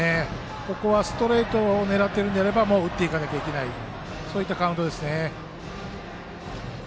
ここはストレートを狙っているのであれば打っていかないといけないそういったカウントですね。